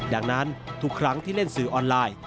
ดังนั้นทุกครั้งที่เล่นสื่อออนไลน์